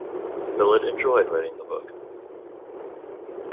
Millet enjoyed writing the book.